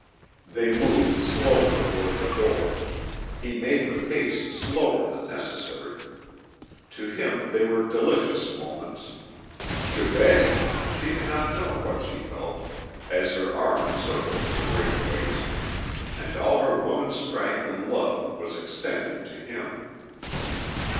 They moved slowly toward the door; he made the pace slower than necessary. To him they were delicious moments. To Betty she did not know what she felt as her arm encircled his great waist, and all her woman's strength and love was extended to him.